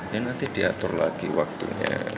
ya nanti diatur lagi waktunya